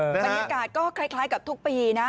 บรรยากาศก็คล้ายกับทุกปีนะ